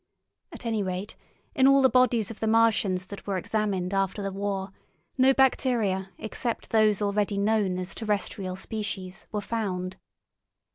At any rate, in all the bodies of the Martians that were examined after the war, no bacteria except those already known as terrestrial species were found.